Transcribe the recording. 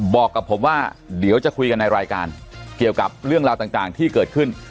บอกกับผมว่าเดี๋ยวจะคุยกันในรายการเกี่ยวกับเรื่องราวต่างที่เกิดขึ้น